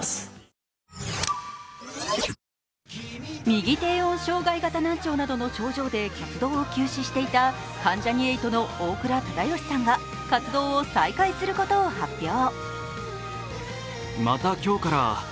右低音障害型難聴などの症状で活動を休止していた関ジャニ∞の大倉忠義さんが活動を再開することを発表。